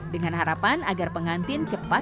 dengan harapan agar pengantin cepat